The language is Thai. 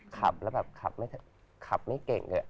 ขับแล้วแบบขับไม่เก่งด้วย